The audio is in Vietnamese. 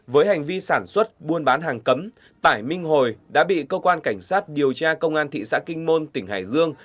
với hành vi sản xuất buôn bán hàng cấm tải minh hồi đã bị cơ quan cảnh sát điều tra công an thị xã kinh môn tỉnh hải dương